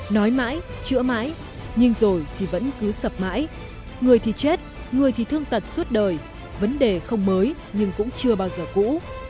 nói mãi chữa mãi nhưng rồi thì vẫn cứ sập mãi người thì chết người thì thương tật suốt đời vấn đề không mới nhưng cũng chưa bao giờ cũ